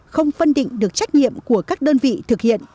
không phân định được trách nhiệm của các đơn vị thực hiện